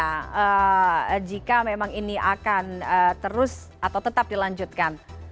nah jika memang ini akan terus atau tetap dilanjutkan